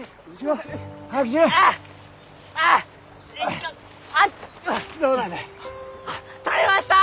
あっ採れました！